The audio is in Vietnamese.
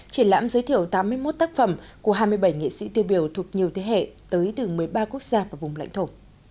triển lãm giới thiệu tám mươi một tác phẩm của hai mươi bảy nghệ sĩ tiêu biểu thuộc nhiều thế hệ tới từ một mươi ba quốc gia và vùng lãnh thổ